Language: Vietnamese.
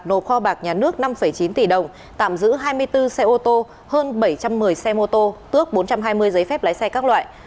nộp kho bạc nhà nước năm chín tỷ đồng tạm giữ hai mươi bốn xe ô tô hơn bảy trăm một mươi xe mô tô tước bốn trăm hai mươi giấy phép lái xe các loại